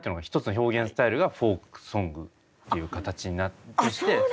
一つの表現スタイルがフォークソングっていう形になってって。